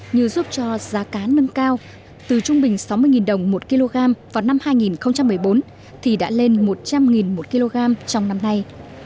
như giúp cho giá cá nâng cao từ trung bình sáu mươi đồng một kg vào năm hai nghìn một mươi bốn thì đã lên một trăm linh một kg trong năm nay